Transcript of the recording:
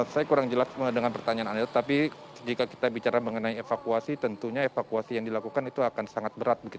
saya kurang jelas dengan pertanyaan anda tapi jika kita bicara mengenai evakuasi tentunya evakuasi yang dilakukan itu akan sangat berat